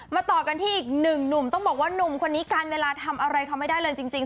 ต่อกันที่อีกหนึ่งหนุ่มต้องบอกว่าหนุ่มคนนี้กันเวลาทำอะไรเขาไม่ได้เลยจริง